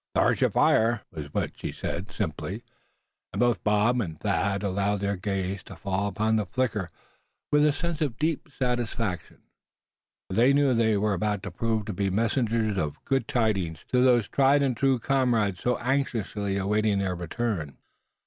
"Thet's yer fire," was what she said, simply; and both Bob and Thad allowed their gaze to fall upon the flicker with a sense of deep satisfaction; for they knew that they were about to prove to be messengers of good tidings to those tried and true comrades so anxiously awaiting their return.